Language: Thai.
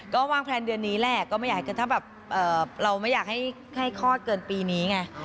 ก็วางแพลนเท่านี้แหละก็ถ้าแบบเรามันอยากให้ฆ่าเคลือปีนี้ไง